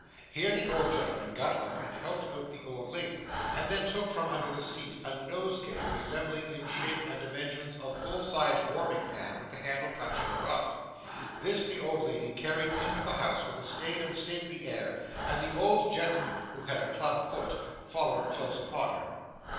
Here the old gentleman got out and helped out the old lady, and then took from under the seat a nosegay resembling in shape and dimensions a full sized warming pan with the handle cut short off. This, the old lady carried into the house with a staid and stately air, and the old gentleman (who had a club foot) followed close upon her.